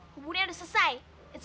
hubungannya udah selesai